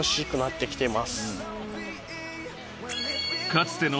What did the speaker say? ［かつての］